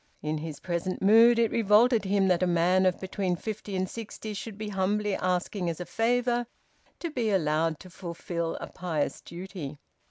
In his present mood, it revolted him that a man of between fifty and sixty should be humbly asking as a favour to be allowed to fulfil a pious duty.